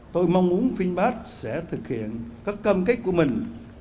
tôi mong muốn vinbass sẽ thực hiện các cam kết của mình